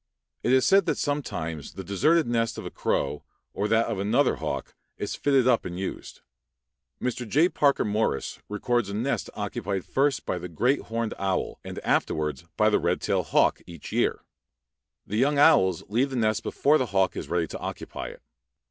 It is said that sometimes the deserted nest of a crow or that of another hawk is fitted up and used. Mr. J. Parker Morris records a nest occupied first by the great horned owl and afterwards by the red tailed hawk each year. The young owls leave the nest before the hawk is ready to occupy it.